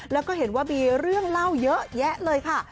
แล้วก็เห็นว่ามีเรื่องเล่าเยอะแยะเลยค่ะ